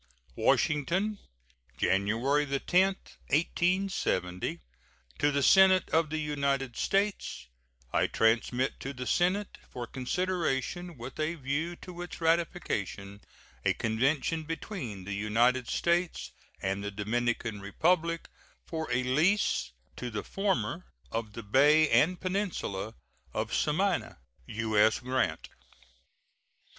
] WASHINGTON, January 10, 1870. To the Senate of the United States: I transmit to the Senate, for consideration with a view to its ratification, a convention between the United States and the Dominican Republic for a lease to the former of the bay and peninsula of Samana. U.S. GRANT.